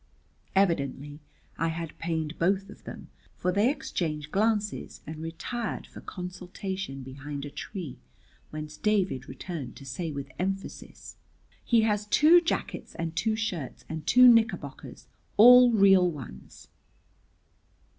Evidently I had pained both of them, for they exchanged glances and retired for consultation behind a tree, whence David returned to say with emphasis, "He has two jackets and two shirts and two knickerbockers, all real ones."